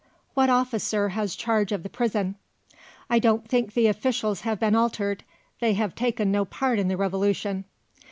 "What officer has charge of the prison?" "I don't think the officials have been altered; they have taken no part in the Revolution."